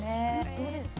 どうですか？